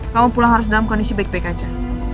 kamu pulang harus dalam kondisi baik baik aja